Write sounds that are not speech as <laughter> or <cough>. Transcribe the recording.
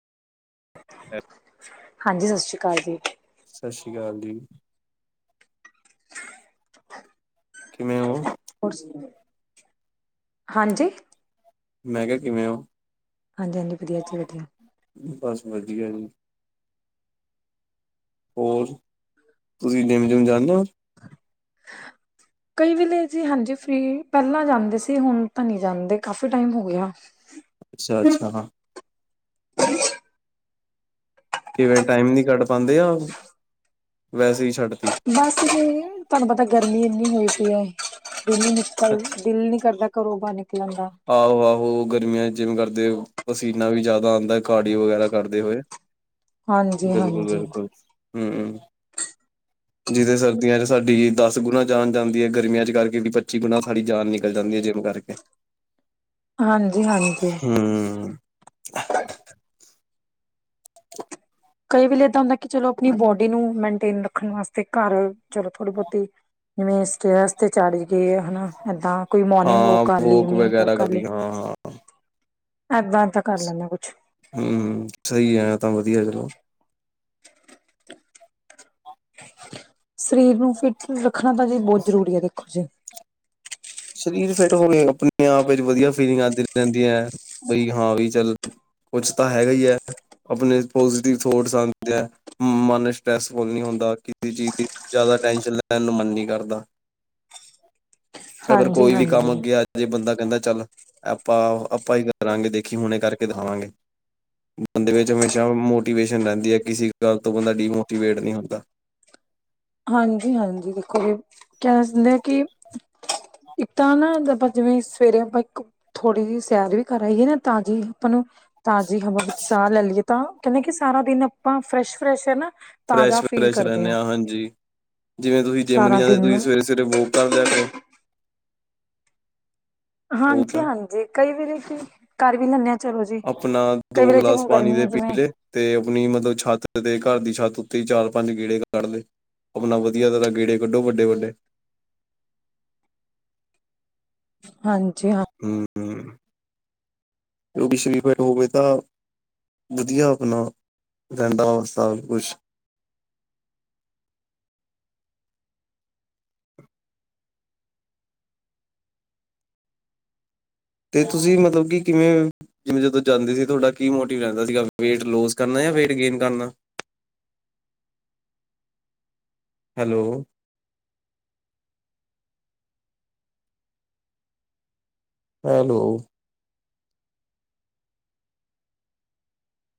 ਹਾਂਜੀ ਸਤਿ ਸ੍ਰੀ ਕਾਲ ਜੀ। ਸਤਿ ਸ਼੍ਰੀ ਕਾਲ ਜੀ। ਕਿਵੇਂ ਹੋ। ਹੋਰ ਸੁਣਾਓ ਹਾਂਜੀ। ਮੈਂ ਕਿਹਾ ਕਿਵੇਂ ਹੋ? ਹਾਂਜੀ-ਹਾਂਜੀ ਵਧੀਆ ਜੀ ਵਧੀਆ। ਬਸ ਵਧੀਆ ਜੀ। ਹੋਰ, ਤੁਸੀਂ ਜਿਮ-ਜੁਮ ਜਾਂਦੇ ਹੋ? ਕਈ ਵੇਲੇ ਜੀ ਹਾਂਜੀ ਫ੍ਰੀ, ਪਹਿਲਾਂ ਜਾਂਦੇ ਸੀ ਹੁਣ ਤਾਂ ਨੀ ਜਾਂਦੇ ਕਾਫੀ ਟਾਈਮ ਹੋ ਗਿਆ। ਅੱਛਾ-ਅੱਛਾ ਹਾਂ। ਕਿਵੇਂ ਟਾਈਮ ਨੀ ਕੱਢ ਪਾਉਂਦੇ ਯਾ ਵੈਸੇ ਹੀ ਛੱਡ ਤੀ। ਵੇਸੇ ਤੇ ਤੁਹਾਨੂੰ ਪਤਾ ਗਰਮੀ ਇੰਨੀ ਹੋਈ ਪਈ ਹੈ ਦਿਲ ਨੀ ਨਿਕਲ ਦਿਲ ਨੀ ਕਰਦਾ ਘਰੋਂ ਬਾਹਰ ਨਿਕਲਣ ਦਾ। ਆਹੋ-ਆਹੋ ਗਰਮੀਆਂ ਜਿਮ ਕਰਦੇ ਪਸੀਨਾ ਵੀ ਜਾਦਾ ਆਦਾ ਕਾਰਡੀਓ ਵਗੈਰਾ ਕਰਦੇ ਹੋਏ। ਹਾਂਜੀ ਹਾਂਜੀ ਬਿਲਕੁਲ-ਬਿਲਕੁਲ ਹਮ। ਜਿਦੇ ਸਰਦੀਆਂ ਚ ਸਾਡੀ ਦਸ ਗੁਣਾ ਜਾਨ ਜਾਂਦੀ ਹੈ ਗਰਮੀਆਂ ਚ ਕਰਕੇ ਵੀ, ਪੱਚੀ ਗੁਣਾ ਸਾਡੀ ਜਾਨ ਨਿਕਲ ਜਾਂਦੀ ਹੈ ਜਿਮ ਕਰ <unintelligible> ਹਾਂਜੀ-ਹਾਂਜੀ। ਹਮ ਕਈ ਵੇਲੇ ਏਦ ਹੁੰਦਾ ਕਿ ਚਲੋ ਆਪਣੀ ਬੋਡੀ ਨੂੰ ਮੇਨਟੇਨ ਰੱਖਣ ਵਾਸਤੇ ਘਰ ਚਲੋ ਥੋੜੀ ਬੋਤੀ ਜਿਵੇਂ ਸਟੇਅਰਸ ਚੜ ਗਏ ਹਨਾ ਏਦਾਂ ਕੋਈ ਮੋਰਨਿੰਗ ਵੋਕ ਹਾਂ ਕਰ ਲੀ ਇਵਨਿੰਗ ਵੋਕ ਵਗੈਰਾ ਕਰ ਕਰਦੀ ਲੀ। ਹਾਂ ਹਾਂ ਏਦਾਂ-ਏਦਾਂ ਕਰ ਲੇਨੇ ਹ ਕੁਛ। ਹੂ ਸਹੀ ਹੈ ਤਾਂ ਵਧੀਆ ਚਲੋ। ਸਰੀਰ ਨੂੰ ਫਿਟ ਰੱਖਣਾ ਤਾਂ ਜੀ ਬਹੁਤ ਜ਼ਰੂਰੀ ਹੈ ਦੇਖੋ ਜੀ। ਸਰੀਰ ਫਿੱਟ ਹੋਵੇ ਆਪਣੇ ਆਪ ਵਿਚ ਵਧੀਆ ਫੀਲਿੰਗ ਆਂਦੀ ਰਹਿੰਦੀ ਹੈ ਬਈ ਹਾ ਵੀ ਚੱਲ ਕੁਛ ਤਾਂ ਹੈਗਾ ਹੀ ਹੈ ਆਪਣੇ ਪੋਜ਼ਟਿਵ ਥੋਟਸ ਆਂਦੇ ਹੈ। ਮਨ ਸਟ੍ਰੈਸਫੁੱਲ ਨਹੀਂ ਹੁੰਦਾ ਕਿਸੇ ਚੀਜ਼ ਦੀ ਜਾਦਾ ਟੈਸ਼ਨ ਲੈਣ ਨੂੰ ਮਨ ਨੀ ਕਰਦਾ। ਅਗਰ ਕੋਈ ਵੀ ਕੰਮ ਹਾਂਜੀ-ਹਾਂਜੀ। ਅੱਗੇ ਆ ਜੇ ਬੰਦਾ ਕਹਿੰਦਾ ਚੱਲ ਆਪਾਂ, ਆਪਾਂ ਹੀ ਕਰਾਂਗੇ ਦੇਖੀ ਹੁਣੇ ਕਰਕੇ ਦਿਖਾਵਾਂਗੇ। ਬੰਦੇ ਵਿੱਚ ਹਮੇਸ਼ਾ ਮੋਟੀਵੇਸ਼ਨ ਰਹਿੰਦੀ ਹੈ ਕਿਸੇ ਗੱਲ ਤੋਂ ਬੰਦਾ ਡੀਮੋਟੀਵੇਟ ਨੀ ਹੁੰਦਾ। ਹਾਂਜੀ-ਹਾਂਜੀ ਦੇਖੋ ਜੀ ਕਹਿ ਸਕਦੇ ਆ ਕਿ ਇੱਕ ਤਾ ਨਾ ਆਪਾ ਜਿਵੇ ਸਵੇਰੇ ਆਪਾ ਥੋੜ੍ਹੀ ਜਿਹੀ ਸੈਰ ਵੀ ਕਰ ਆਈਏ ਨਾ ਤਾ ਜੀ ਆਪਾ ਨੂੰ ਤਾਜ਼ੀ ਹਵਾ ਵਿੱਚ ਸਾਹ ਲੈ ਲਈਏ ਤਾ ਕਹਿੰਦੇ ਕਿ ਸਾਰਾ ਦਿਨ ਆਪਾ ਫਰੈਸ਼-ਫਰੈਸ਼ ਹੈ ਨਾ ਤਾਜ਼ਾ ਫੀਲ ਫਰੈਸ਼-ਫਰੈਸ਼ ਕਰਦੇ ਰਹਿੰਨੇ ਹਾਂ ਹਾ ਹਾਂਜੀ। ਜਿਵੇ ਤੁਸੀ ਜਿੰਮ ਨਿ ਸਾਰਾ ਜਾਂਦੇ ਤੁਸੀਂ ਦਿਨ ਸਵੇਰੇ-ਸਵੇਰੇ ਵੋਕ ਕਰ ਲਿਆ ਕਰੋ। ਉਹ ਕਿਆ ਹਾਂਜੀ-ਹਾਂਜੀ ਕਈ ਵਾਰੀ ਕਿ ਕਰ ਵੀ ਲੈਨੇ ਆ। ਚਲੋ ਜੀ ਆਪਨਾ ਕਈ ਦੋ ਵੇਲੇ ਜੇ ਗਿਲਾਸ ਹੁਣ ਪਾਣੀ ਗਰਮੀ ਦੇ ਹੈ ਪੀ ਜਿਵੇਂ ਲਏ। ਤੇ ਆਪਣੀ ਮਤਲਬ ਛੱਤ ਤੇ ਘਰ ਦੀ ਛੱਤ ਉੱਤੇ ਹੀ ਚਾਰ-ਪੰਜ ਗੇੜੇ ਕਡ ਲੈ। ਆਪਣਾ ਵਧੀਆ ਤਰ੍ਹਾ ਗੇੜੇ ਕੱਢੋ ਵੱਡੇ-ਵੱਡੇ। ਹਾਂਜੀ ਹਾਂ ਕਿਉਂਕਿ ਸ਼ਰੀਰ ਫੇਰ ਉਵੇਂ ਦਾ ਵਧੀਆ ਆਪਣਾ ਰੈਂਦਾ ਵਾ ਸਭ ਕੁਛ। ਤੇ ਤੁਸੀ ਮਤਲਬ ਕਿ ਕਿਵੇ ਜਿਵੇਂ ਜਦੋਂ ਜਾਂਦੇ ਸੀ ਤੁਹਾਡਾ ਕੀ ਮੋਟਿਵ ਰਹਿੰਦਾ ਸੀਗਾ ਵੇਟ ਲੂਸ ਕਰਨਾ ਜਾਂ ਵੇਟ ਗੇਨ ਕਰਨਾ। Hello hello